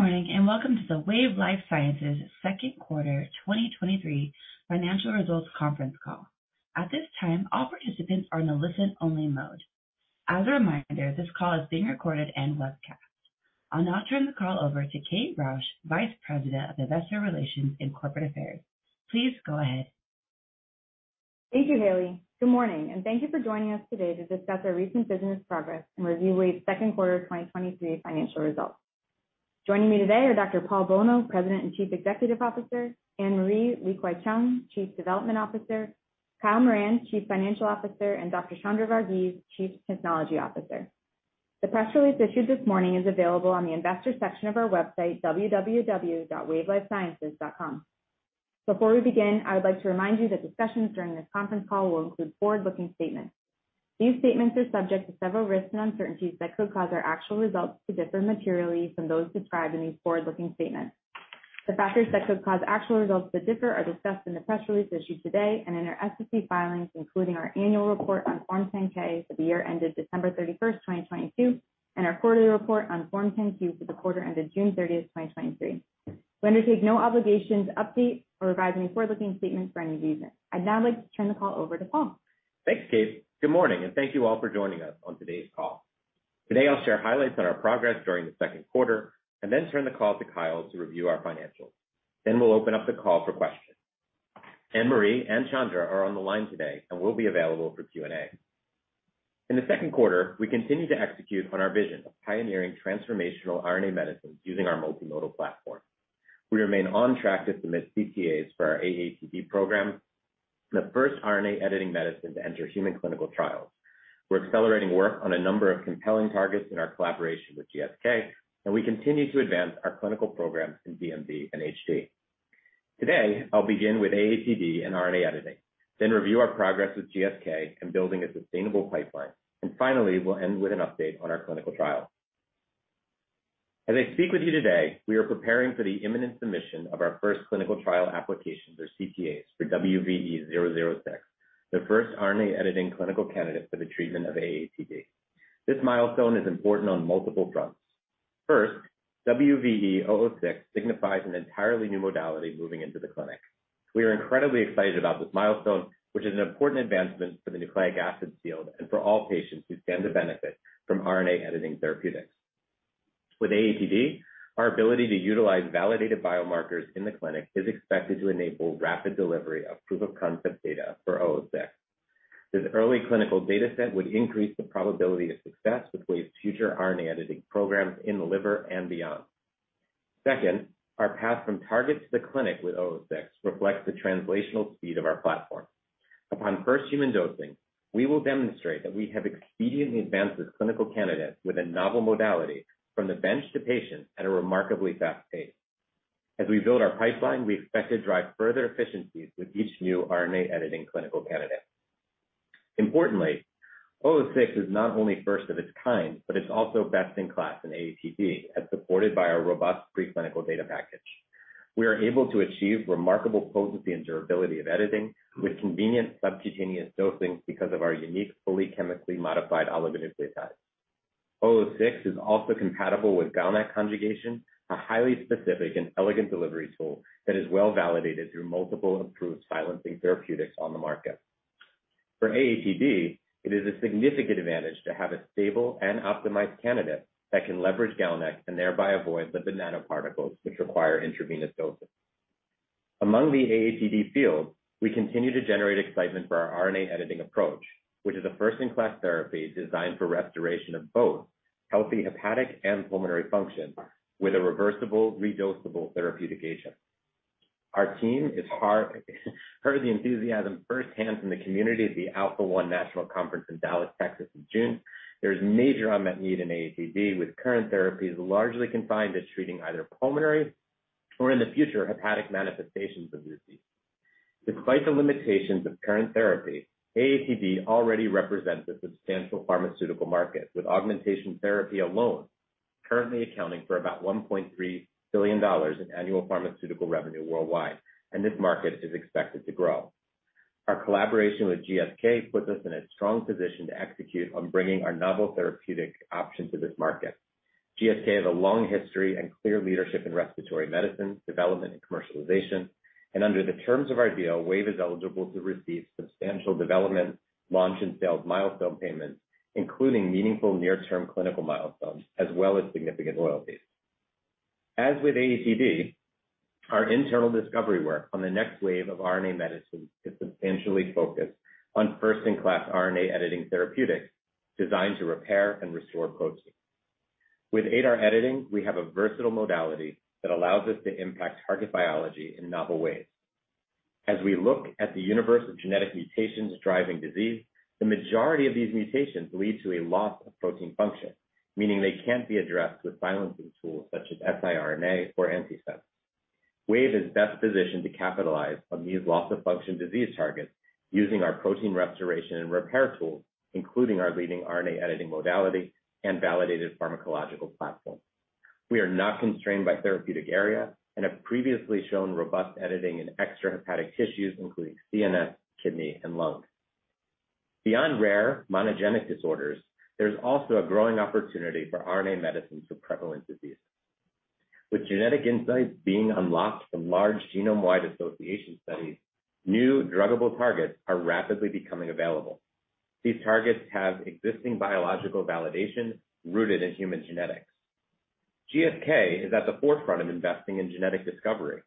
Good morning, welcome to the Wave Life Sciences second quarter 2023 financial results conference call. At this time, all participants are in a listen-only mode. As a reminder, this call is being recorded and webcast. I'll now turn the call over to Kate Rausch, Vice President of Investor Relations and Corporate Affairs. Please go ahead. Thank you, Haley. Good morning, and thank you for joining us today to discuss our recent business progress and review Wave's second quarter 2023 financial results. Joining me today are Dr. Paul Bolno, President and Chief Executive Officer, Anne-Marie Li-Kwai-Cheung, Chief Development Officer, Kyle Moran, Chief Financial Officer, and Dr. Chandra Varghese, Chief Technology Officer. The press release issued this morning is available on the investor section of our website, www.wavelifesciences.com. Before we begin, I would like to remind you that the discussions during this conference call will include forward-looking statements. These statements are subject to several risks and uncertainties that could cause our actual results to differ materially from those described in these forward-looking statements. The factors that could cause actual results to differ are discussed in the press release issued today and in our SEC filings, including our annual report on Form 10-K for the year ended December 31st, 2022, and our quarterly report on Form 10-Q for the quarter ended June 30th, 2023. We undertake no obligation to update or revise any forward-looking statements for any reason. I'd now like to turn the call over to Paul. Thanks, Kate. Good morning, thank you all for joining us on today's call. Today, I'll share highlights on our progress during the second quarter and then turn the call to Kyle to review our financials. We'll open up the call for questions. Anne-Marie and Chandra are on the line today and will be available for Q&A. In the second quarter, we continued to execute on our vision of pioneering transformational RNA medicines using our multimodal platform. We remain on track to submit CTAs for our AATD program, the first RNA editing medicine to enter human clinical trials. We're accelerating work on a number of compelling targets in our collaboration with GSK, and we continue to advance our clinical programs in DMD and HD. Today, I'll begin with AATD and RNA editing, then review our progress with GSK and building a sustainable pipeline. Finally, we'll end with an update on our clinical trial. As I speak with you today, we are preparing for the imminent submission of our first clinical trial applications, or CTAs, for WVE-006, the first RNA editing clinical candidate for the treatment of AATD. This milestone is important on multiple fronts. First, WVE-006 signifies an entirely new modality moving into the clinic. We are incredibly excited about this milestone, which is an important advancement for the nucleic acids field and for all patients who stand to benefit from RNA editing therapeutics. With AATD, our ability to utilize validated biomarkers in the clinic is expected to enable rapid delivery of proof-of-concept data for 006. This early clinical data set would increase the probability of success with Wave's future RNA editing programs in the liver and beyond. Our path from target to the clinic with WVE-006 reflects the translational speed of our platform. Upon first human dosing, we will demonstrate that we have expediently advanced this clinical candidate with a novel modality from the bench to patient at a remarkably fast pace. As we build our pipeline, we expect to drive further efficiencies with each new RNA editing clinical candidate. Importantly, WVE-006 is not only first of its kind, but it's also best-in-class in AATD, as supported by our robust preclinical data package. We are able to achieve remarkable potency and durability of editing with convenient subcutaneous dosing because of our unique, fully chemically modified oligonucleotide. WVE-006 is also compatible with GalNAc conjugation, a highly specific and elegant delivery tool that is well-validated through multiple approved silencing therapeutics on the market. For AATD, it is a significant advantage to have a stable and optimized candidate that can leverage GalNAc and thereby avoid lipid nanoparticles, which require intravenous dosing. Among the AATD field, we continue to generate excitement for our RNA editing approach, which is a first-in-class therapy designed for restoration of both healthy hepatic and pulmonary function with a reversible, redosable therapeutic agent. Our team heard the enthusiasm firsthand from the community at the Alpha-1 National Conference in Dallas, Texas, in June. There is major unmet need in AATD, with current therapies largely confined to treating either pulmonary or, in the future, hepatic manifestations of the disease. Despite the limitations of current therapy, AATD already represents a substantial pharmaceutical market, with augmentation therapy alone currently accounting for about $1.3 billion in annual pharmaceutical revenue worldwide, and this market is expected to grow. Our collaboration with GSK puts us in a strong position to execute on bringing our novel therapeutic option to this market. GSK has a long history and clear leadership in respiratory medicine, development, and commercialization. Under the terms of our deal, Wave is eligible to receive substantial development, launch, and sales milestone payments, including meaningful near-term clinical milestones, as well as significant royalties. As with AATD, our internal discovery work on the next wave of RNA medicine is substantially focused on first-in-class RNA editing therapeutics designed to repair and restore protein. With ADAR editing, we have a versatile modality that allows us to impact target biology in novel ways. As we look at the universe of genetic mutations driving disease, the majority of these mutations lead to a loss of protein function, meaning they can't be addressed with silencing tools such as siRNA or antisense. Wave is best positioned to capitalize on these loss-of-function disease targets using our protein restoration and repair tools, including our leading RNA editing modality and validated pharmacological platform. We are not constrained by therapeutic area and have previously shown robust editing in extrahepatic tissues, including CNS, kidney, and lung. Beyond rare monogenic disorders, there's also a growing opportunity for RNA medicines for prevalent disease. With genetic insights being unlocked from large genome-wide association studies, new druggable targets are rapidly becoming available. These targets have existing biological validation rooted in human genetics. GSK is at the forefront of investing in genetic discovery.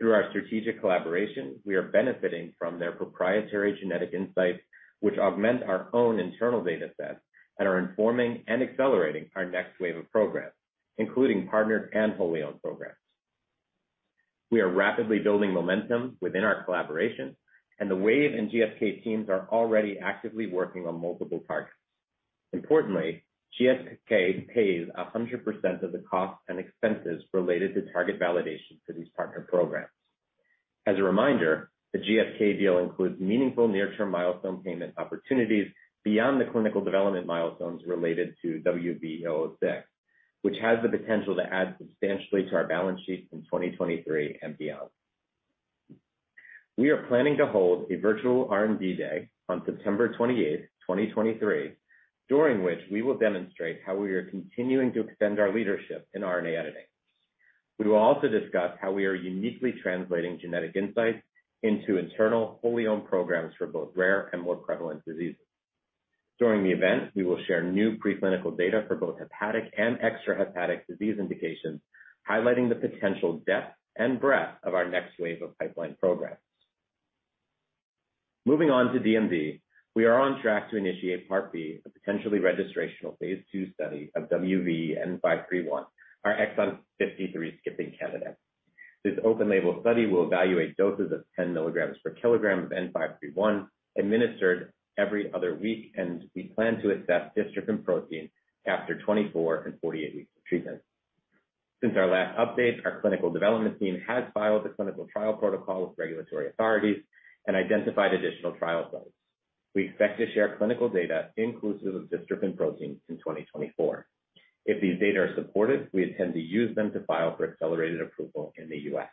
Through our strategic collaboration, we are benefiting from their proprietary genetic insights, which augment our own internal data sets that are informing and accelerating our next wave of programs, including partnered and wholly-owned programs. We are rapidly building momentum within our collaboration, and the Wave and GSK teams are already actively working on multiple targets. Importantly, GSK pays 100% of the costs and expenses related to target validation for these partner programs. As a reminder, the GSK deal includes meaningful near-term milestone payment opportunities beyond the clinical development milestones related to WVE-006, which has the potential to add substantially to our balance sheet in 2023 and beyond. We are planning to hold a virtual R&D Day on September 28, 2023, during which we will demonstrate how we are continuing to extend our leadership in RNA editing. We will also discuss how we are uniquely translating genetic insights into internal wholly-owned programs for both rare and more prevalent diseases. During the event, we will share new preclinical data for both hepatic and extrahepatic disease indications, highlighting the potential depth and breadth of our next wave of pipeline programs. Moving on to DMD, we are on track to initiate Part B, a potentially registrational phase II study of WVE-N531, our exon 53-skipping candidate. This open label study will evaluate doses of 10 mg per kg of N531, administered every other week, and we plan to assess dystrophin protein after 24 and 48 weeks of treatment. Since our last update, our clinical development team has filed the clinical trial protocol with regulatory authorities and identified additional trial sites. We expect to share clinical data inclusive of dystrophin protein in 2024. If these data are supported, we intend to use them to file for accelerated approval in the U.S.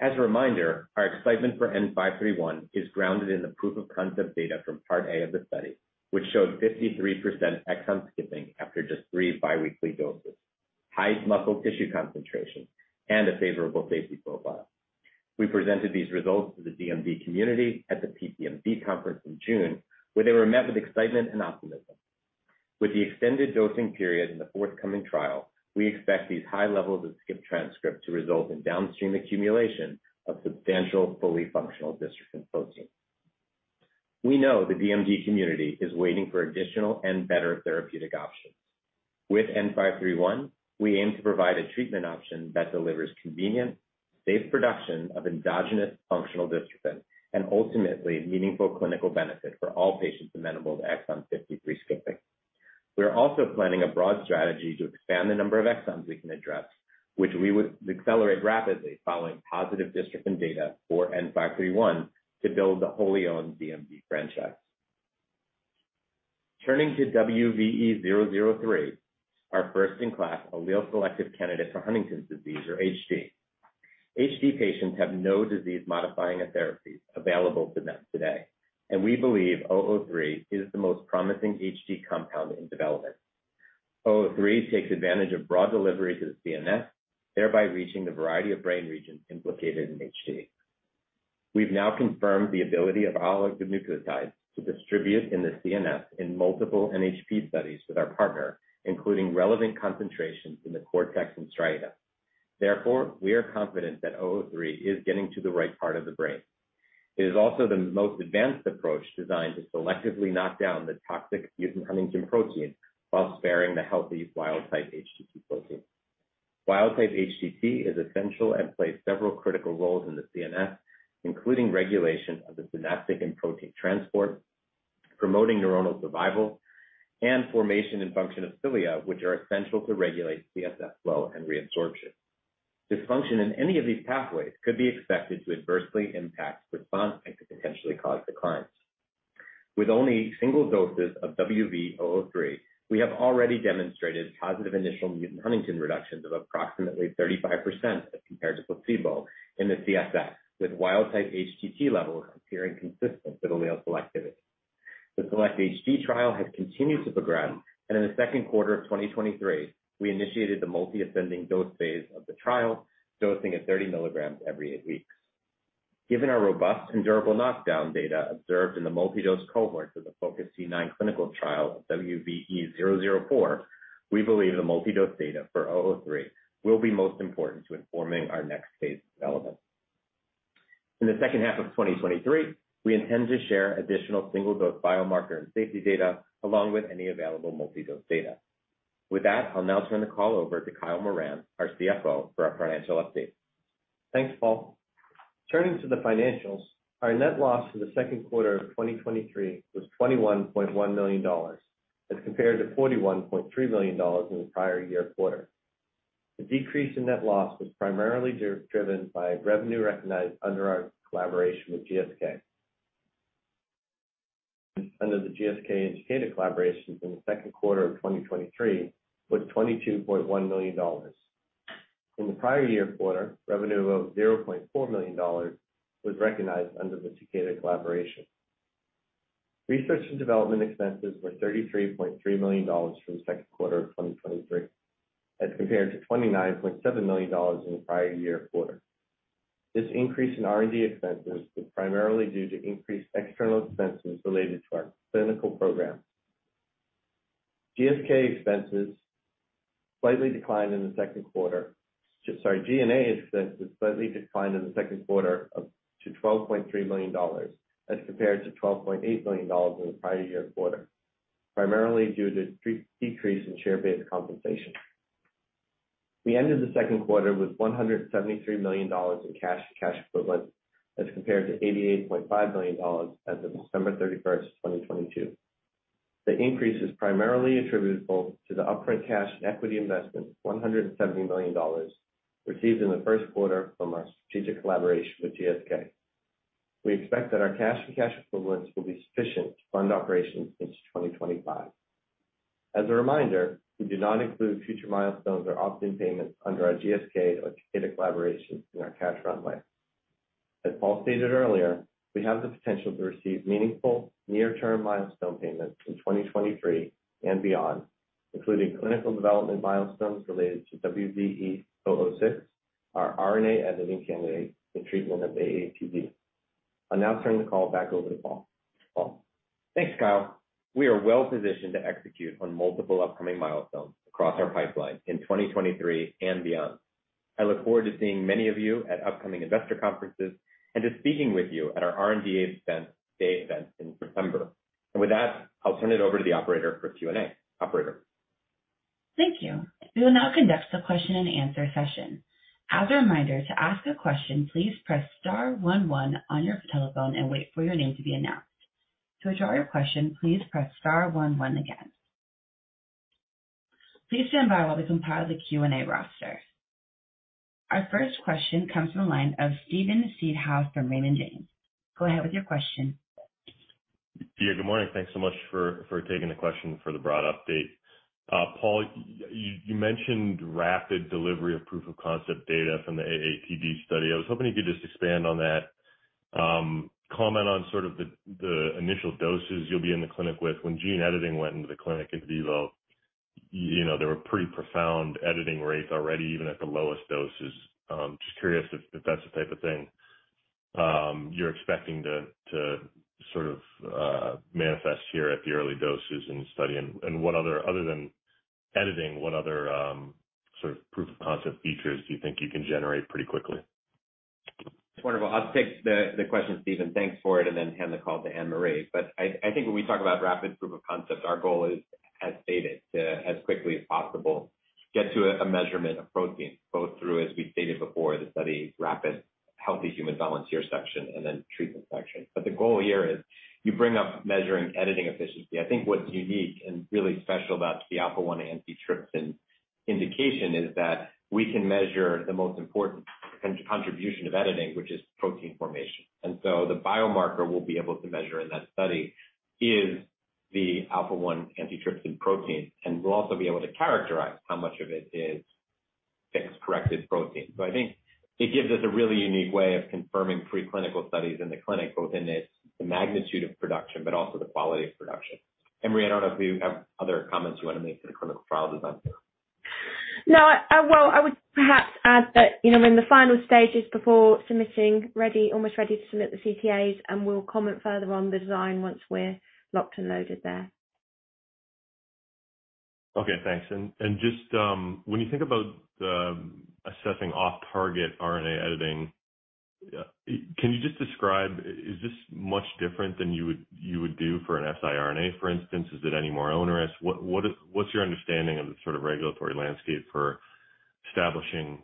As a reminder, our excitement for WVE-N531 is grounded in the proof of concept data from Part A of the study, which showed 53% exon skipping after just 3 biweekly doses, high muscle tissue concentration, and a favorable safety profile. We presented these results to the DMD community at the PPMD conference in June, where they were met with excitement and optimism. With the extended dosing period in the forthcoming trial, we expect these high levels of skipped transcript to result in downstream accumulation of substantial, fully functional dystrophin protein. We know the DMD community is waiting for additional and better therapeutic options. With WVE-N531, we aim to provide a treatment option that delivers convenient, safe production of endogenous functional dystrophin, and ultimately, meaningful clinical benefit for all patients amenable to exon 53 skipping. We are also planning a broad strategy to expand the number of exons we can address, which we would accelerate rapidly following positive dystrophin data for N531 to build a wholly-owned DMD franchise. Turning to WVE-003, our first-in-class allele-selective candidate for Huntington's disease or HD. HD patients have no disease-modifying therapy available to them today, and we believe 003 is the most promising HD compound in development. 003 takes advantage of broad delivery to the CNS, thereby reaching the variety of brain regions implicated in HD. We've now confirmed the ability of oligonucleotides to distribute in the CNS in multiple NHP studies with our partner, including relevant concentrations in the cortex and striata. Therefore, we are confident that 003 is getting to the right part of the brain. It is also the most advanced approach designed to selectively knock down the toxic mutant huntingtin protein while sparing the healthy wild-type HTT protein. Wild-type HTT is essential and plays several critical roles in the CNS, including regulation of the synaptic and protein transport, promoting neuronal survival, and formation and function of cilia, which are essential to regulate CSF flow and reabsorption. Dysfunction in any of these pathways could be expected to adversely impact response and could potentially cause declines. With only single doses of WVE-003, we have already demonstrated positive initial mutant huntingtin reductions of approximately 35% as compared to placebo in the CSF, with wild-type HTT levels appearing consistent with allele selectivity. The SELECT-HD trial has continued to progress. In the second quarter of 2023, we initiated the multi-ascending dose phase of the trial, dosing at 30 mg every eight weeks. Given our robust and durable knockdown data observed in the multi-dose cohort of the FOCUS-C9 clinical trial of WVE-004, we believe the multi-dose data for WVE-003 will be most important to informing our next phase of development. In the second half of 2023, we intend to share additional single-dose biomarker and safety data, along with any available multi-dose data. With that, I'll now turn the call over to Kyle Moran, our CFO, for our financial update. Thanks, Paul. Turning to the financials, our net loss in the second quarter of 2023 was $21.1 million as compared to $41.3 million in the prior year quarter. The decrease in net loss was primarily driven by revenue recognized under our collaboration with GSK. Under the GSK and Takeda collaborations in the second quarter of 2023, was $22.1 million. In the prior year quarter, revenue of $0.4 million was recognized under the Takeda collaboration. Research and development expenses were $33.3 million from the second quarter of 2023, as compared to $29.7 million in the prior year quarter. This increase in R&D expenses was primarily due to increased external expenses related to our clinical programs. GSK expenses slightly declined in the second quarter. Sorry, G&A expenses slightly declined in the second quarter up to $12.3 million, as compared to $12.8 million in the prior year quarter, primarily due to decrease in share-based compensation. We ended the second quarter with $173 million in cash and cash equivalents, as compared to $88.5 million as of December 31, 2022. The increase is primarily attributable to the upfront cash and equity investment of $170 million, received in the first quarter from our strategic collaboration with GSK. As a reminder, we do not include future milestones or opt-in payments under our GSK or Takeda collaborations in our cash runway. As Paul stated earlier, we have the potential to receive meaningful near-term milestone payments in 2023 and beyond, including clinical development milestones related to WVE-006, our RNA editing candidate for treatment of AATD. I'll now turn the call back over to Paul. Paul? Thanks, Kyle. We are well positioned to execute on multiple upcoming milestones across our pipeline in 2023 and beyond. I look forward to seeing many of you at upcoming investor conferences and to speaking with you at our R&D Day event in September. With that, I'll turn it over to the operator for Q&A. Operator? Thank you. We will now conduct a question-and-answer session. As a reminder, to ask a question, please press star one one on your telephone and wait for your name to be announced. To withdraw your question, please press star one one again. Please stand by while we compile the Q&A roster. Our first question comes from the line of Steven Seedhouse from Raymond James. Go ahead with your question. Good morning. Thanks so much for taking the question for the broad update. Paul, you mentioned rapid delivery of proof-of-concept data from the AATD study. I was hoping you could just expand on that, comment on sort of the initial doses you'll be in the clinic with. When gene editing went into the clinic in vivo, you know, there were pretty profound editing rates already, even at the lowest doses. Just curious if that's the type of thing you're expecting to sort of manifest here at the early doses in the study, and what other than editing, what other, sort of proof-of-concept features do you think you can generate pretty quickly? Wonderful. I'll take the, the question, Steven. Thanks for it, and then hand the call to Anne-Marie. I, I think when we talk about rapid proof of concept, our goal is, as stated, to, as quickly as possible, get to a, a measurement of protein, both through, as we've stated before, the study rapid healthy human volunteer section and then treatment section. The goal here is you bring up measuring editing efficiency. I think what's unique and really special about the alpha-1 antitrypsin indication is that we can measure the most important con- contribution of editing, which is protein formation. So the biomarker we'll be able to measure in that study is the alpha-1 antitrypsin protein, and we'll also be able to characterize how much of it is fixed, corrected protein. I think it gives us a really unique way of confirming preclinical studies in the clinic, both in the magnitude of production, but also the quality of production. Anne-Marie, I don't know if you have other comments you want to make to the clinical trial design? Well, I would perhaps add that, you know, we're in the final stages before submitting ready, almost ready to submit the CTAs, and we'll comment further on the design once we're locked and loaded there. Okay, thanks. Just, when you think about the assessing off-target RNA editing, can you just describe, is this much different than you would, you would do for an siRNA, for instance? Is it any more onerous? What, what's your understanding of the sort of regulatory landscape for establishing,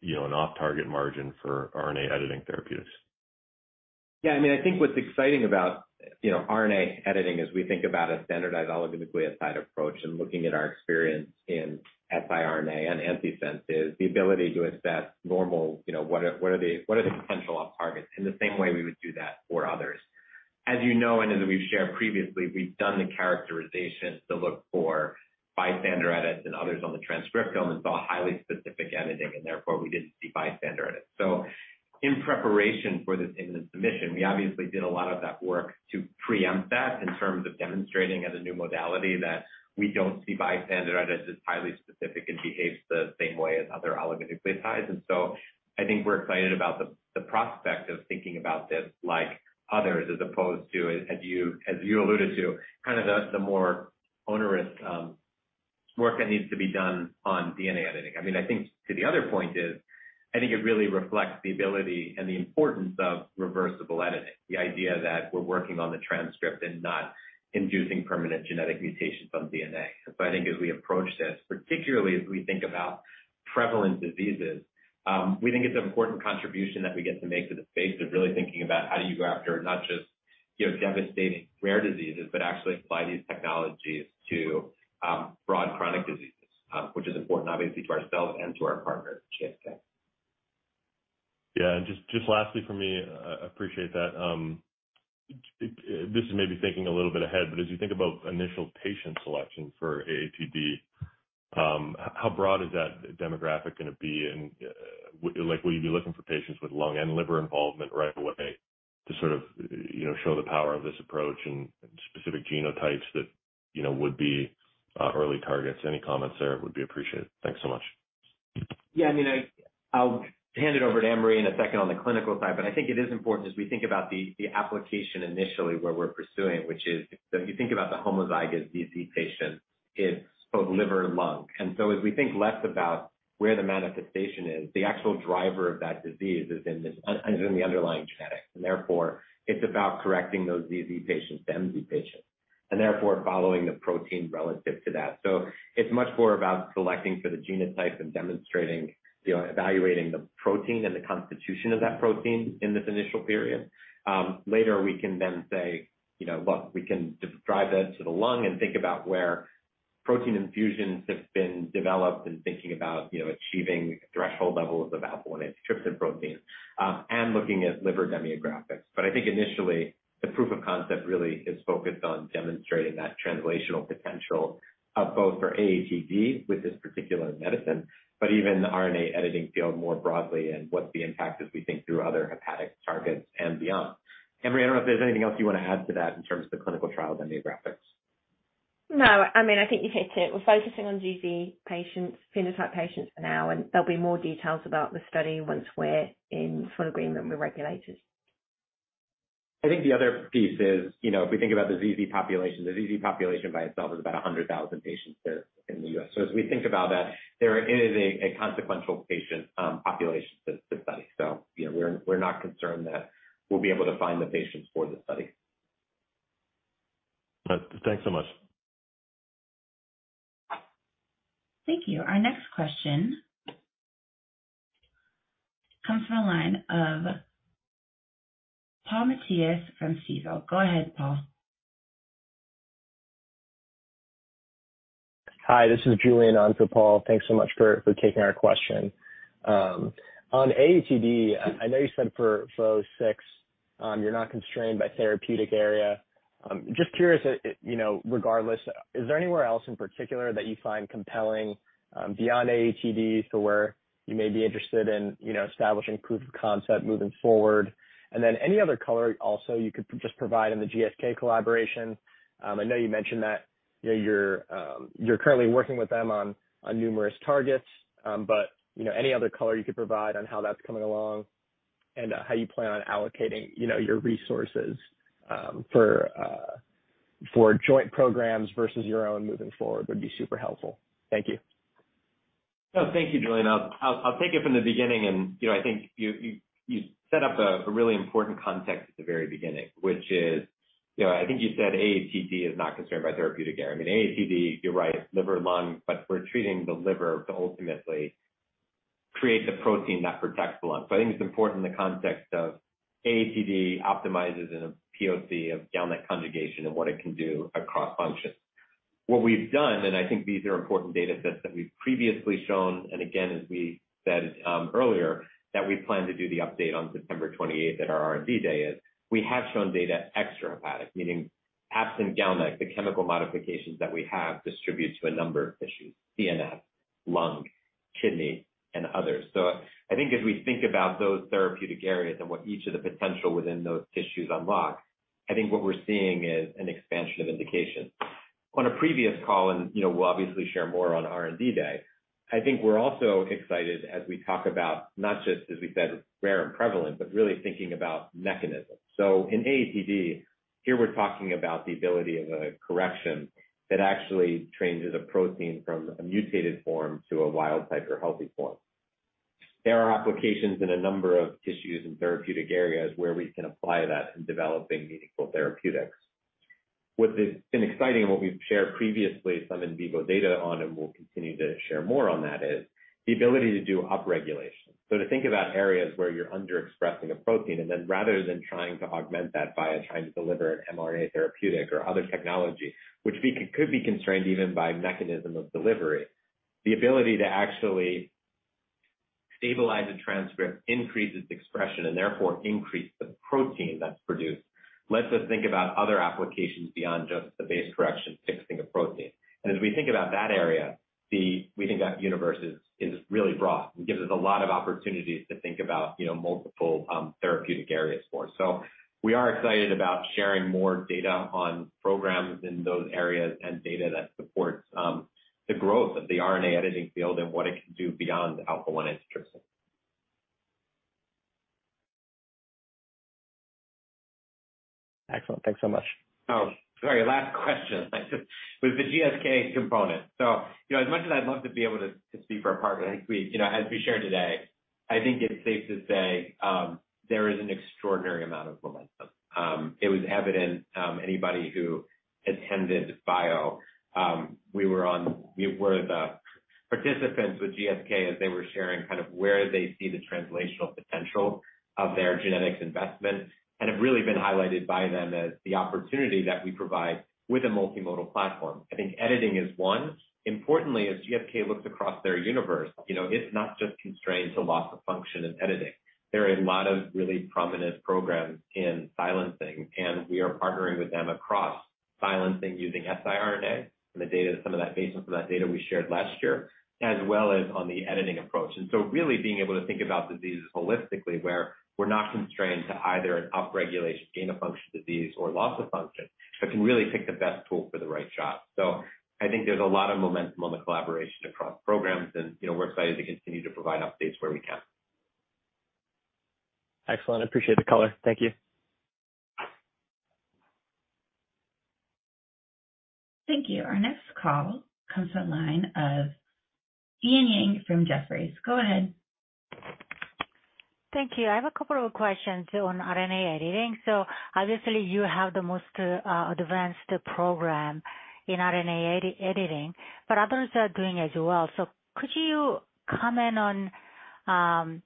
you know, an off-target margin for RNA editing therapeutics? Yeah, I mean, I think what's exciting about, you know, RNA editing as we think about a standardized oligonucleotide approach and looking at our experience in siRNA and antisense, is the ability to assess normal, you know, what are the potential off targets in the same way we would do that for others. As you know, and as we've shared previously, we've done the characterization to look for bystander edits and others on the transcriptome and saw highly specific editing, and therefore we didn't see bystander edits. In preparation for this imminent submission, we obviously did a lot of that work to preempt that in terms of demonstrating as a new modality that we don't see bystander edits as highly specific and behaves the same way as other oligonucleotides. I think we're excited about the, the prospect of thinking about this like others, as opposed to, as, as you, as you alluded to, kind of the, the more onerous work that needs to be done on DNA editing. I think to the other point is, I think it really reflects the ability and the importance of reversible editing. The idea that we're working on the transcript and not inducing permanent genetic mutations on DNA. I think as we approach this, particularly as we think about prevalent diseases, we think it's an important contribution that we get to make to the space of really thinking about how do you go after not just, you know, devastating rare diseases, but actually apply these technologies to broad chronic diseases, which is important obviously, to ourselves and to our partner, GSK. Yeah, and just, just lastly for me, I appreciate that. This is maybe thinking a little bit ahead, but as you think about initial patient selection for AATD, how broad is that demographic going to be? Like, will you be looking for patients with lung and liver involvement right away to sort of, you know, show the power of this approach and specific genotypes that, you know, would be early targets? Any comments there would be appreciated. Thanks so much. Yeah, I mean, I'll hand it over to Anne-Marie in a second on the clinical side, but I think it is important as we think about the application initially, where we're pursuing, which is if you think about the homozygous ZZ patient, it's both liver and lung. As we think less about where the manifestation is, the actual driver of that disease is in the underlying genetics, and therefore, it's about correcting those ZZ patients to MZ patients, and therefore, following the protein relative to that. It's much more about selecting for the genotype and demonstrating, you know, evaluating the protein and the constitution of that protein in this initial period. Later, we can then say, you know, look, we can drive that to the lung and think about where protein infusions have been developed and thinking about, you know, achieving threshold levels of alpha-1 antitrypsin, and looking at liver demographics. I think initially the proof of concept really is focused on demonstrating that translational potential, both for AATD with this particular medicine, but even the RNA editing field more broadly and what the impact as we think through other hepatic targets and beyond. Anne-Marie, I don't know if there's anything else you want to add to that in terms of the clinical trial demographics. No, I mean, I think you hit it. We're focusing on ZZ patients, phenotype patients for now, and there'll be more details about the study once we're in full agreement with regulators. I think the other piece is, you know, if we think about the ZZ population, the ZZ population by itself is about 100,000 patients there in the U.S. As we think about that, there is a consequential patient population to study. You know, we're not concerned that we'll be able to find the patients for the study. Thanks so much. Thank you. Our next question comes from the line of Paul Matteis from Stifel. Go ahead, Paul. Hi, this is Julian on for Paul. Thanks so much for taking our question. On AATD, I know you said for 006, you're not constrained by therapeutic area. Just curious, you know, regardless, is there anywhere else in particular that you find compelling, beyond AATD to where you may be interested in, you know, establishing proof of concept moving forward? Then any other color also you could just provide in the GSK collaboration. I know you mentioned that, you know, you're currently working with them on numerous targets. You know, any other color you could provide on how that's coming along and how you plan on allocating, you know, your resources for joint programs versus your own moving forward would be super helpful. Thank you. Oh, thank you, Julian. I'll, I'll take it from the beginning. You know, I think you, you, you set up a, a really important context at the very beginning, which is, you know, I think you said AATD is not constrained by therapeutic area. I mean, AATD, you're right, it's liver and lung, but we're treating the liver to ultimately create the protein that protects the lung. I think it's important in the context of AATD optimizes in a POC of GalNAc conjugation and what it can do across functions. What we've done, and I think these are important data sets that we've previously shown, and again, as we said, earlier, that we plan to do the update on September 28th, that our R&D Day is, we have shown data extrahepatic, meaning absent GalNAc, the chemical modifications that we have distribute to a number of tissues, CNS, lung, kidney, and others. I think as we think about those therapeutic areas and what each of the potential within those tissues unlock, I think what we're seeing is an expansion of indications. On a previous call, and, you know, we'll obviously share more on R&D Day, I think we're also excited as we talk about not just, as we said, rare and prevalent, but really thinking about mechanisms. In AATD, here we're talking about the ability of a correction that actually changes a protein from a mutated form to a wild type or healthy form. There are applications in a number of tissues and therapeutic areas where we can apply that in developing meaningful therapeutics. What has been exciting and what we've shared previously, some in vivo data on, and we'll continue to share more on that, is the ability to do upregulation. To think about areas where you're under expressing a protein, and then rather than trying to augment that by trying to deliver an mRNA therapeutic or other technology, which we could be constrained even by mechanism of delivery, the ability to actually stabilize a transcript, increase its expression, and therefore increase the protein that's produced, lets us think about other applications beyond just the base correction, fixing a protein. As we think about that area, we think that universe is, is really broad. It gives us a lot of opportunities to think about, you know, multiple therapeutic areas for. We are excited about sharing more data on programs in those areas and data that supports the growth of the RNA editing field and what it can do beyond alpha-1 antitrypsin. Excellent. Thanks so much. Oh, sorry. Last question. With the GSK component. You know, as much as I'd love to be able to, to speak for our partner, I think we, you know, as we shared today, I think it's safe to say, there is an extraordinary amount of momentum. It was evident, anybody who attended BIO, we were on- we were the participants with GSK as they were sharing kind of where they see the translational potential.... of their genetics investment and have really been highlighted by them as the opportunity that we provide with a multimodal platform. I think editing is one. Importantly, as GSK looks across their universe, you know, it's not just constrained to loss of function and editing. There are a lot of really prominent programs in silencing, and we are partnering with them across silencing, using siRNA and the data, some of that data we shared last year, as well as on the editing approach. Really being able to think about diseases holistically, where we're not constrained to either an upregulation, gain-of-function disease, or loss of function, but can really pick the best tool for the right job. I think there's a lot of momentum on the collaboration across programs, and, you know, we're excited to continue to provide updates where we can. Excellent. I appreciate the color. Thank you. Thank you. Our next call comes to the line of Eun Yang from Jefferies. Go ahead. Thank you. I have a couple of questions on RNA editing. Obviously, you have the most advanced program in RNA editing, but others are doing as well. Could you comment on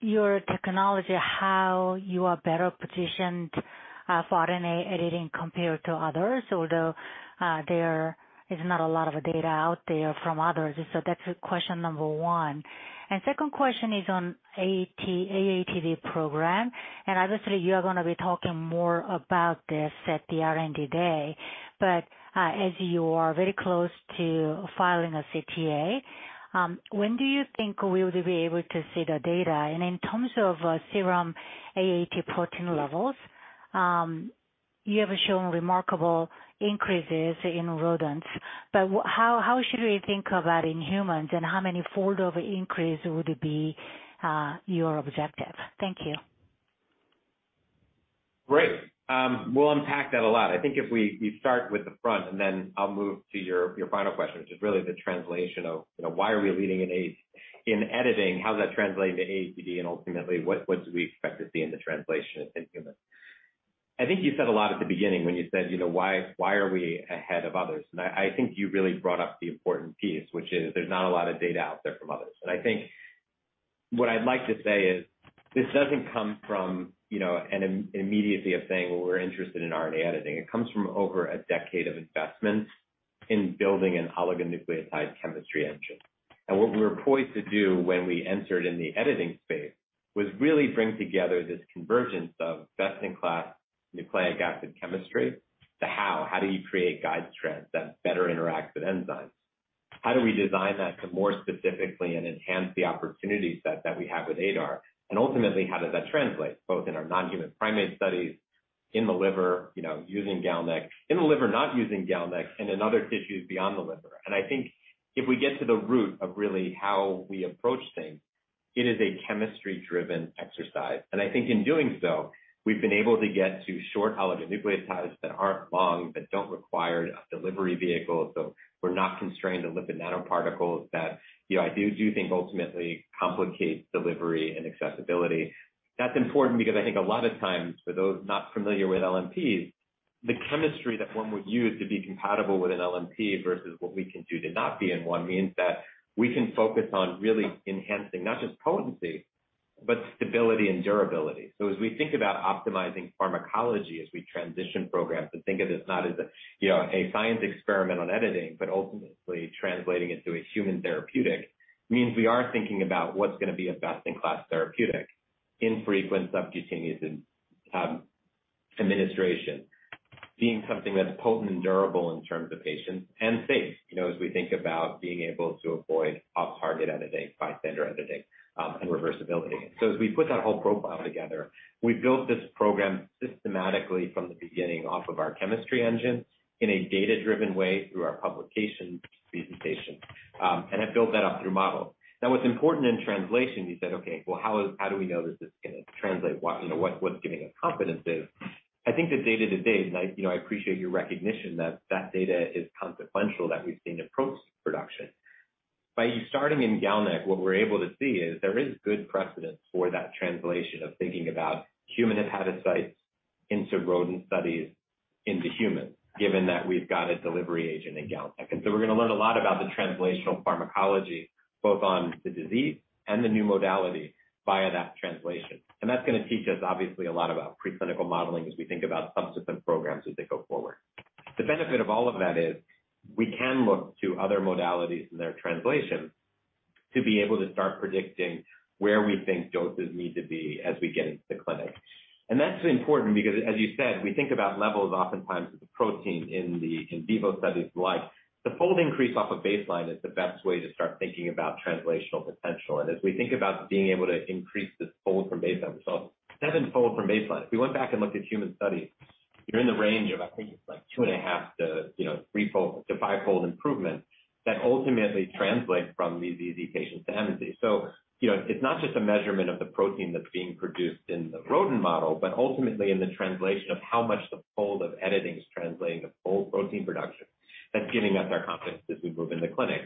your technology, how you are better positioned for RNA editing compared to others, although there is not a lot of data out there from others? That's question number one. Second question is on AAT, AATD program, and obviously, you are going to be talking more about this at the R&D Day, but as you are very close to filing a CTA, when do you think we would be able to see the data? In terms of serum AAT protein levels, you have shown remarkable increases in rodents, but how, how should we think about in humans, and how many fold-over increase would it be your objective? Thank you. Great. We'll unpack that a lot. I think if we, we start with the front, and then I'll move to your, your final question, which is really the translation of, you know, why are we leading in age in editing? How does that translate into AATD, and ultimately, what, what do we expect to see in the translation in humans? I think you said a lot at the beginning when you said, you know, "Why, why are we ahead of others?" And I, I think you really brought up the important piece, which is there's not a lot of data out there from others. And I think what I'd like to say is, this doesn't come from, you know, an immediacy of saying, "Well, we're interested in RNA editing." It comes from over a decade of investment in building an oligonucleotide chemistry engine. What we were poised to do when we entered in the editing space was really bring together this convergence of best-in-class nucleic acid chemistry, to how do you create guide strands that better interact with enzymes? How do we design that to more specifically and enhance the opportunity set that we have with ADAR? Ultimately, how does that translate both in our non-human primate studies, in the liver, you know, using GalNAc, in the liver, not using GalNAc, and in other tissues beyond the liver. I think if we get to the root of really how we approach things, it is a chemistry-driven exercise. I think in doing so, we've been able to get to short oligonucleotides that aren't long, that don't require a delivery vehicle. We're not constrained to lipid nanoparticles that, you know, I do think ultimately complicate delivery and accessibility. That's important because I think a lot of times, for those not familiar with LNPs, the chemistry that one would use to be compatible with an LNP versus what we can do to not be in one, means that we can focus on really enhancing not just potency, but stability and durability. As we think about optimizing pharmacology, as we transition programs to think of it, not as a, you know, a science experiment on editing, but ultimately translating it to a human therapeutic, means we are thinking about what's going to be a best-in-class therapeutic, infrequent subcutaneous administration, being something that's potent and durable in terms of patients and safe, you know, as we think about being able to avoid off-target editing, bystander editing, and reversibility. As we put that whole profile together, we built this program systematically from the beginning, off of our chemistry engine, in a data-driven way, through our publication presentation, and have built that up through models. Now, what's important in translation, you said, "Okay, well, how, how do we know this is going to translate? What, you know, what, what's giving us confidence in?" I think the data to date, and I, you know, I appreciate your recognition, that that data is consequential, that we've seen approached production. By starting in GalNAc, what we're able to see is there is good precedent for that translation of thinking about human hepatocytes into rodent studies into humans, given that we've got a delivery agent in GalNAc. We're going to learn a lot about the translational pharmacology, both on the disease and the new modality via that translation. That's going to teach us, obviously, a lot about preclinical modeling as we think about subsequent programs as they go forward. The benefit of all of that is we can look to other modalities and their translation to be able to start predicting where we think doses need to be as we get into the clinic. That's important because, as you said, we think about levels oftentimes with the protein in the in vivo studies, like, the fold increase off of baseline is the best way to start thinking about translational potential. As we think about being able to increase this fold from baseline, so 7x from baseline, if we went back and looked at human studies, you're in the range of, I think it's like 2.5x to, you know, 3x-5x improvement. That ultimately translates from PiZZ patients to MZ. You know, it's not just a measurement of the protein that's being produced in the rodent model, but ultimately in the translation of how much the fold of editing is translating to fold protein production. That's giving us our confidence as we move into clinic.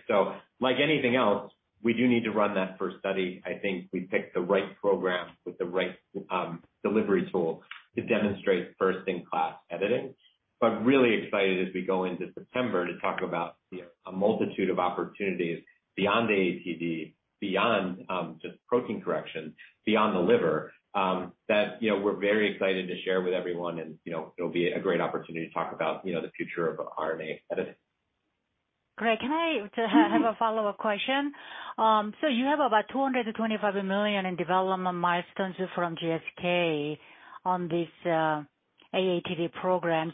Like anything else, we do need to run that first study. I think we picked the right program with the right delivery tool to demonstrate first-in-class editing. Really excited as we go into September to talk about, you know, a multitude of opportunities beyond the AATD, beyond just protein correction, beyond the liver, that, you know, we're very excited to share with everyone and, you know, it'll be a great opportunity to talk about, you know, the future of RNA editing. Greg, can I have a follow-up question? You have about $225 million in development milestones from GSK on this AATD program.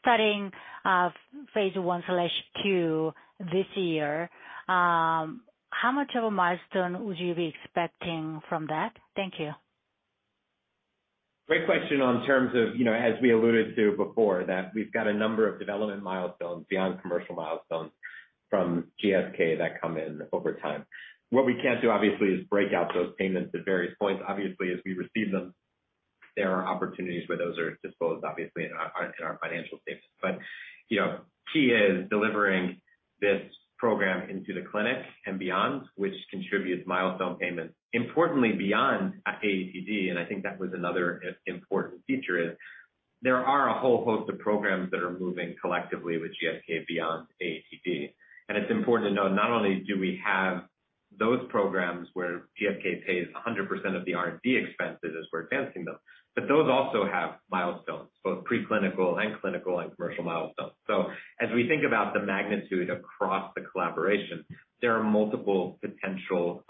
Starting phase I/II this year, how much of a milestone would you be expecting from that? Thank you. Great question. In terms of, you know, as we alluded to before, that we've got a number of development milestones beyond commercial milestones from GSK that come in over time. What we can't do, obviously, is break out those payments at various points. Obviously, as we receive them, there are opportunities where those are disclosed, obviously, in our, in our financial statements. You know, key is delivering this program into the clinic and beyond, which contributes milestone payments. Importantly, beyond AATD, I think that was another important feature, is there are a whole host of programs that are moving collectively with GSK beyond AATD. It's important to know, not only do we have those programs where GSK pays 100% of the R&D expenses as we're advancing them, but those also have milestones, both preclinical and clinical and commercial milestones. As we think about the magnitude across the collaboration, there are multiple potential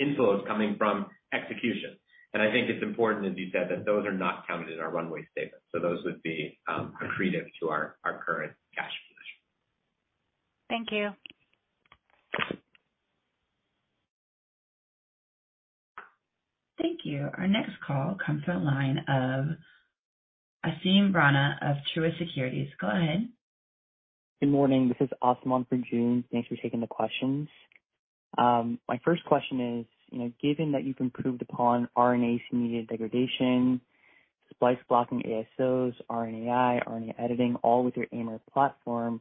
inflows coming from execution. I think it's important, as you said, that those are not counted in our runway statement, so those would be accretive to our, our current cash position. Thank you. Thank you. Our next call comes from the line of Asim Rana of Truist Securities. Go ahead. Good morning. This is Asim Rana. Thanks for taking the questions. My first question is, you know, given that you've improved upon RNA-mediated degradation, splice blocking ASOs, RNAi, RNA editing, all with your ADAR platform,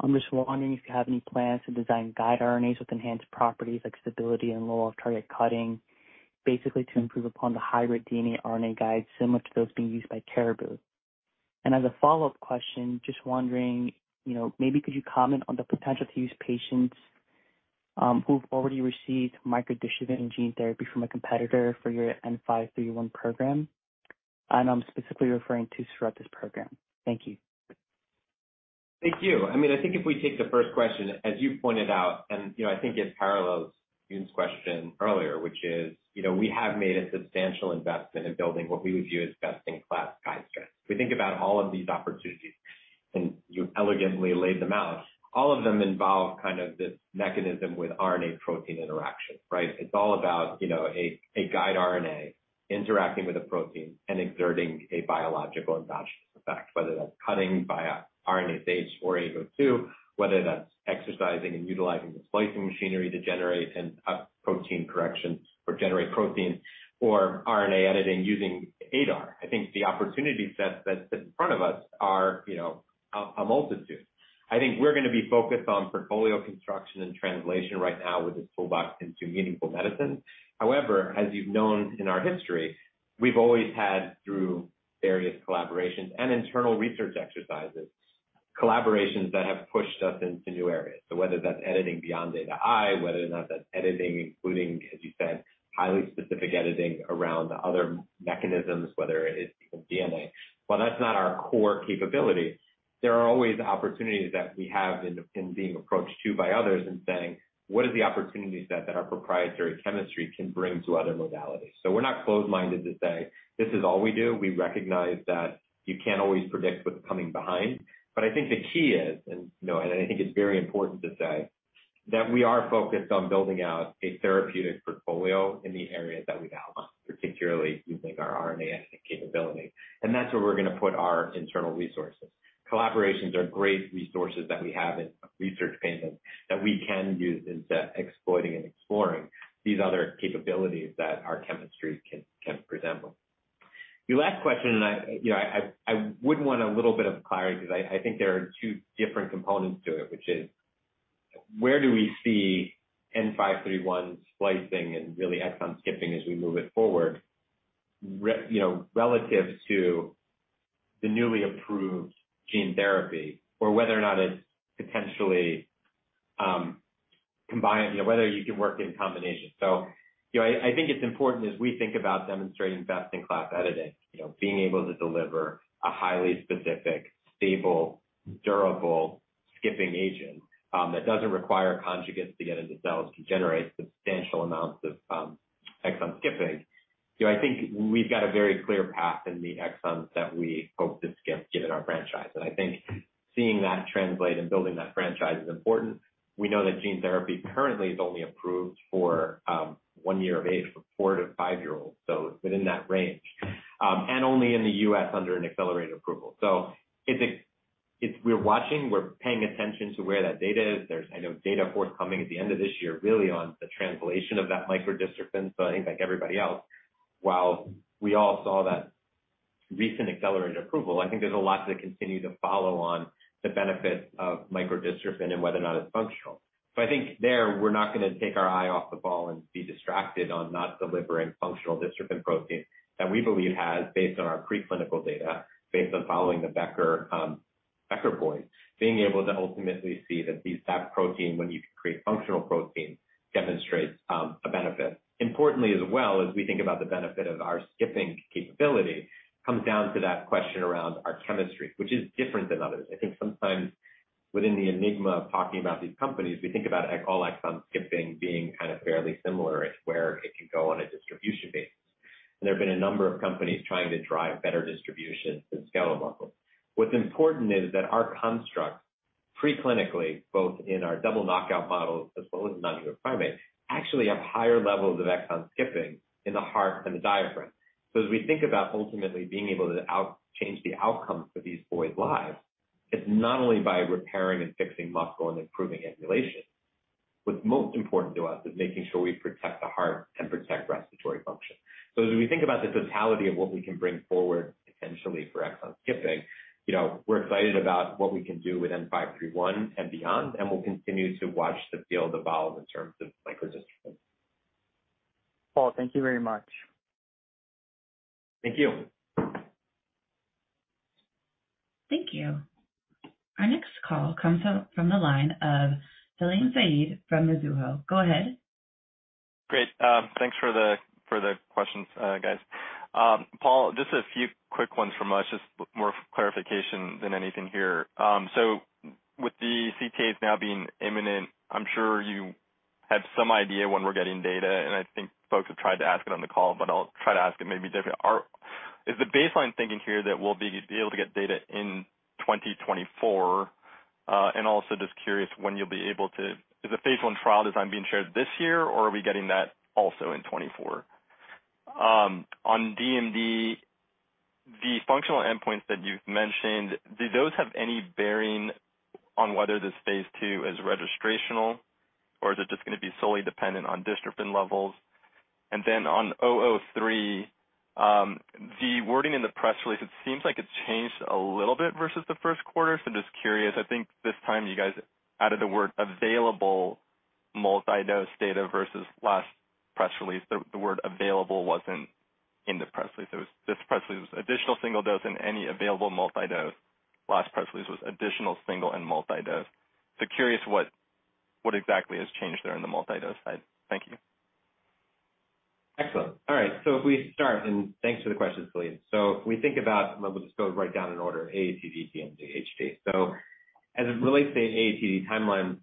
I'm just wondering if you have any plans to design guide RNAs with enhanced properties like stability and low off-target cutting, basically to improve upon the hybrid DNA/RNA guides, similar to those being used by Caribou. As a follow-up question, just wondering, you know, maybe could you comment on the potential to use patients who've already received microdystrophin gene therapy from a competitor for your WVE-N531 program? I'm specifically referring to Sarepta's program. Thank you. Thank you. I mean, I think if we take the first question, as you pointed out, and, you know, I think it parallels Eun's question earlier, which is, you know, we have made a substantial investment in building what we would view as best-in-class guide strands. We think about all of these opportunities, and you elegantly laid them out. All of them involve kind of this mechanism with RNA-protein interaction, right? It's all about, you know, a guide RNA interacting with a protein and exerting a biological and biological effect, whether that's cutting via RNase H or A-to-I, whether that's exercising and utilizing the splicing machinery to generate a protein correction or generate protein or RNA editing using ADAR. I think the opportunity set that's in front of us are, you know, a multitude. I think we're going to be focused on portfolio construction and translation right now with this toolbox into meaningful medicine. However, as you've known in our history, we've always had, through various collaborations and internal research exercises, collaborations that have pushed us into new areas. Whether that's editing beyond A-to-I, whether or not that's editing, including, as you said, highly specific editing around the other mechanisms, whether it is even DNA. While that's not our core capability, there are always opportunities that we have in being approached to by others and saying: What is the opportunity set that our proprietary chemistry can bring to other modalities? We're not closed-minded to say, "This is all we do." We recognize that you can't always predict what's coming behind. I think the key is, and, you know, and I think it's very important to say, that we are focused on building out a therapeutic portfolio in the areas that we've outlined, particularly using our RNA editing capability. That's where we're going to put our internal resources. Collaborations are great resources that we have in research payments that we can use in exploiting and exploring these other capabilities that our chemistry can, can present them. Your last question, I, you know, I, I would want a little bit of clarity because I, I think there are two different components to it, which is: Where do we see WVE-N531 splicing and really exon skipping as we move it forward, you know, relative to the newly approved gene therapy, or whether or not it's potentially combined, you know, whether you can work in combination. You know, I, I think it's important as we think about demonstrating best-in-class editing, you know, being able to deliver a highly specific, stable, durable skipping agent, that doesn't require conjugates to get into cells to generate substantial amounts of exon skipping. You know, I think we've got a very clear path in the exons that we hope to skip given our franchise, and I think seeing that translate and building that franchise is important. We know that gene therapy currently is only approved for one year of age, for four to five-year-olds, so it's within that range, and only in the U.S. under an accelerated approval. It's we're watching, we're paying attention to where that data is. There's, I know, data forthcoming at the end of this year, really on the translation of that microdystrophin. I think like everybody else, while we all saw that recent accelerated approval, I think there's a lot to continue to follow on the benefit of microdystrophin and whether or not it's functional. I think there, we're not going to take our eye off the ball and be distracted on not delivering functional dystrophin protein that we believe has, based on our preclinical data, based on following the Becker, Becker boys, being able to ultimately see that these SAP protein, when you can create functional protein, demonstrates a benefit. Importantly, as well, as we think about the benefit of our skipping capability, comes down to that question around our chemistry, which is different than others. I think sometimes within the enigma of talking about these companies, we think about all exon skipping being kind of fairly similar in where it can go on a distribution basis. There have been a number of companies trying to drive better distribution than skeletal muscle. What's important is that our construct, preclinically, both in our double knockout model as well as non-human primate, actually have higher levels of exon skipping in the heart than the diaphragm. As we think about ultimately being able to change the outcome for these boys' lives, it's not only by repairing and fixing muscle and improving ambulation. What's most important to us is making sure we protect the heart and protect respiratory function. As we think about the totality of what we can bring forward potentially for exon skipping, you know, we're excited about what we can do with N-531 and beyond, and we'll continue to watch the field evolve in terms of microdystrophin. Paul, thank you very much. Thank you. Thank you. Our next call comes from the line of Salim Syed from Mizuho. Go ahead. Great. Thanks for the, for the questions, guys. Paul, just a few quick ones from us, just more clarification than anything here. With the CTAs now being imminent, I'm sure you have some idea when we're getting data, and I think folks have tried to ask it on the call, but I'll try to ask it maybe differently. Is the baseline thinking here that we'll be able to get data in 2024? Also just curious, when you'll be able to. Is the phase I trial design being shared this year, or are we getting that also in 2024? On DMD, the functional endpoints that you've mentioned, do those have any bearing on whether this phase II is registrational, or is it just going to be solely dependent on dystrophin levels? On WVE-003, the wording in the press release, it seems like it's changed a little bit versus the first quarter. Just curious, I think this time you guys added the word available multi-dose data versus last press release. The word available wasn't in the press release. It was, this press release was additional single dose and any available multi-dose. Last press release was additional single and multi-dose. Curious what, what exactly has changed there in the multi-dose side. Thank you. Excellent. All right. If we start, and thanks for the question, Salim. If we think about, and we'll just go right down in order, AATD, DMD, HD. As it relates to AATD timeline,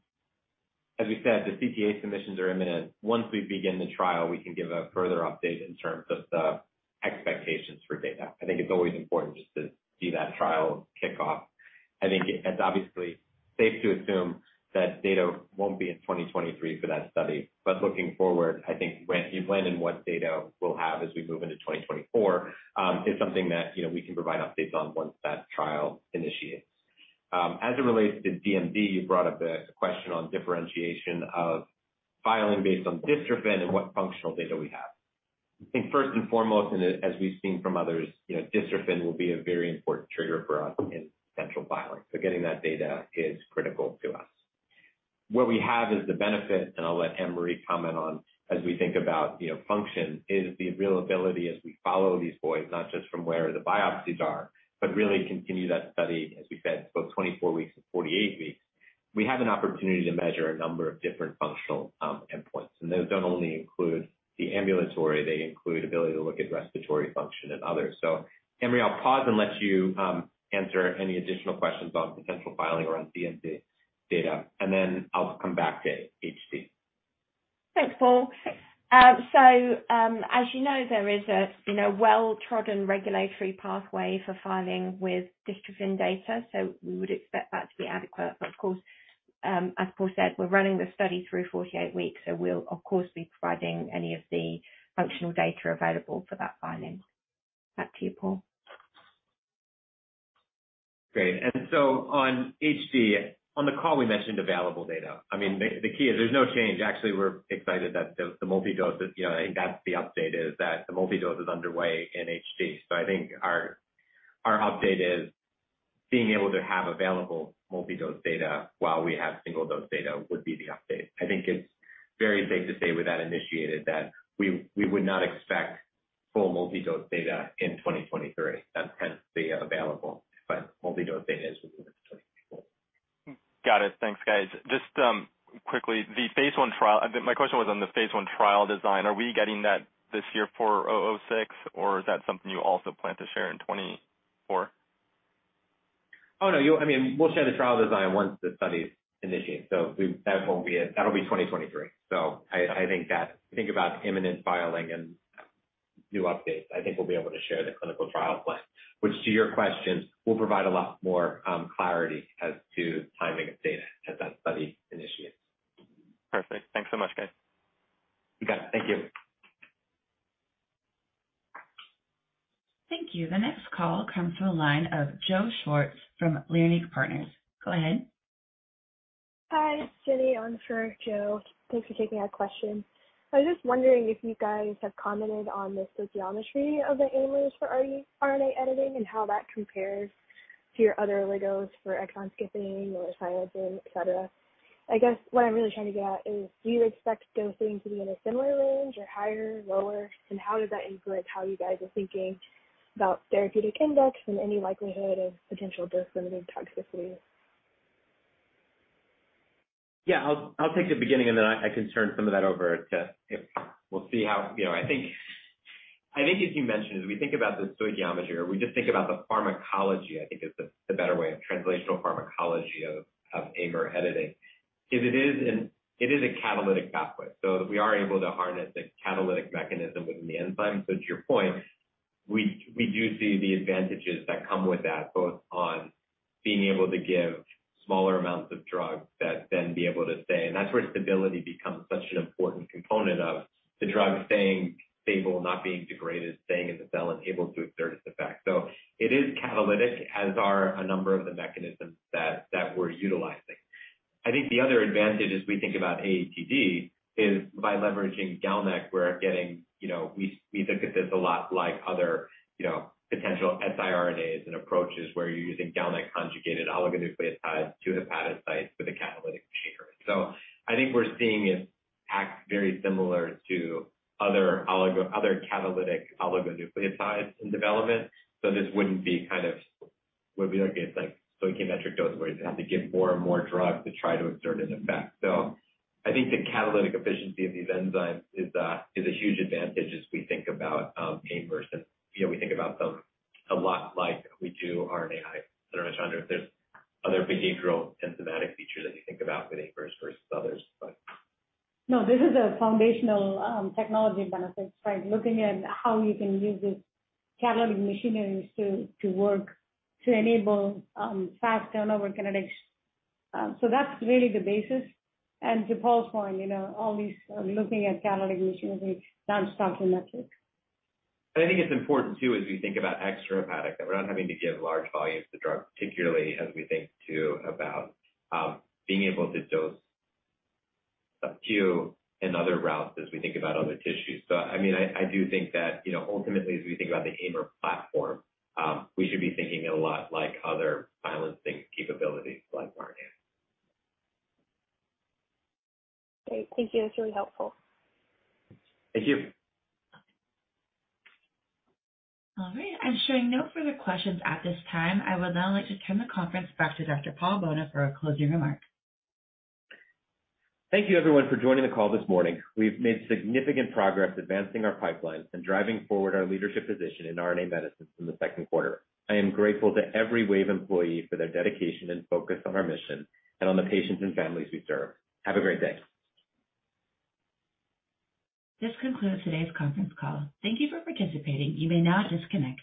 as we said, the CTA submissions are imminent. Once we begin the trial, we can give a further update in terms of the expectations for data. I think it's always important just to see that trial kick off. I think it's obviously safe to assume that data won't be in 2023 for that study. Looking forward, I think when you plan and what data we'll have as we move into 2024, is something that, you know, we can provide updates on once that trial initiates. As it relates to DMD, you brought up the question on differentiation of filing based on dystrophin and what functional data we have. I think first and foremost, as we've seen from others, you know, dystrophin will be a very important trigger for us in central filing. Getting that data is critical to us. What we have is the benefit, and I'll let Anne-Marie comment on as we think about, you know, function, is the availability as we follow these boys, not just from where the biopsies are, but really continue that study, as we said, both 24 weeks and 48 weeks. We have an opportunity to measure a number of different functional endpoints, and those don't only include the ambulatory, they include ability to look at respiratory function and others. Anne-Marie, I'll pause and let you answer any additional questions on potential filing or on DMD data, and then I'll come back to HD. Thanks, Paul. As you know, there is a, you know, well-trodden regulatory pathway for filing with dystrophin data, so we would expect that to be adequate. Of course, as Paul said, we're running the study through 48 weeks, so we'll of course, be providing any of the functional data available for that filing. Back to you, Paul. Great. On HD, on the call, we mentioned available data. I mean, the key is there's no change. Actually, we're excited that the multi-dose is, you know, I think that's the update, is that the multi-dose is underway in HD. I think our update is being able to have available multi-dose data while we have single-dose data would be the update. I think it's very safe to say with that initiated that we would not expect full multi-dose data in 2023. That's going to be available, multi-dose data is within 2024. Got it. Thanks, guys. Just quickly, my question was on the phase I trial design. Are we getting that this year for WVE-006, or is that something you also plan to share in 2024? Oh, no, you... I mean, we'll share the trial design once the study initiates. That won't be it. That'll be 2023. I think about imminent filing and new updates. I think we'll be able to share the clinical trial plan, which, to your question, will provide a lot more clarity as to timing of data as that study initiates. Perfect. Thanks so much, guys. You got it. Thank you. Thank you. The next call comes from the line of Joseph Schwartz from Leerink Partners. Go ahead. Hi, Jenny on for Joe. Thanks for taking our question. I was just wondering if you guys have commented on the stoichiometry of the AIMers for RNA editing and how that compares to your other oligos for exon skipping or silencing, et cetera. I guess what I'm really trying to get at is, do you expect dosing to be in a similar range or higher, lower, and how does that influence how you guys are thinking about therapeutic index and any likelihood of potential dose-limiting toxicity? Yeah, I'll take the beginning, and then I can turn some of that over to. We'll see how. You know, I think as you mentioned, as we think about the stoichiometry, or we just think about the pharmacology, I think is the better way, of translational pharmacology of ADAR editing, is it is an. It is a catalytic pathway, so we are able to harness the catalytic mechanism within the enzyme. To your point, we do see the advantages that come with that, both on being able to give smaller amounts of drug that then be able to stay. That's where stability becomes such an important component of the drug staying stable, not being degraded, staying in the cell, and able to exert its effect. It is catalytic, as are a number of the mechanisms that we're utilizing. I think the other advantage as we think about AATD, is by leveraging GalNAc, we're getting, you know, we, we look at this a lot like other, you know, potential siRNAs and approaches where you're using GalNAc-conjugated oligonucleotides to hepatocyte with a catalytic linker. I think we're seeing it act very similar to other oligo other catalytic oligonucleotides in development. This wouldn't be kind of, would be like a, like, stoichiometric dose, where you'd have to give more and more drug to try to exert an effect. I think the catalytic efficiency of these enzymes is a huge advantage as we think about AIMers. You know, we think about them a lot like we do RNAi. I don't know, Chandra, if there's other behavioral and thematic features that you think about with AIMers versus others, but. No, this is a foundational technology benefit, right? Looking at how you can use this catalytic machinery to, to work, to enable fast turnover kinetics. That's really the basis. To Paul's point, you know, all these, looking at catalytic machinery, not stoichiometric. I think it's important too, as we think about extrahepatic, that we're not having to give large volumes of the drug, particularly as we think too about being able to dose a few in other routes as we think about other tissues. I mean, I, I do think that, you know, ultimately, as we think about the ADAR platform, we should be thinking a lot like other silencing capabilities like RNA. Great. Thank you. That's really helpful. Thank you. All right. I'm showing no further questions at this time. I would now like to turn the conference back to Dr. Paul Bolno for our closing remarks. Thank you, everyone, for joining the call this morning. We've made significant progress advancing our pipelines and driving forward our leadership position in RNA medicines in the second quarter. I am grateful to every Wave employee for their dedication and focus on our mission and on the patients and families we serve. Have a great day. This concludes today's conference call. Thank you for participating. You may now disconnect.